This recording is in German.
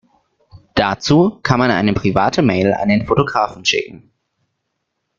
Dazu kann man eine private Mail an den Fotografen schicken.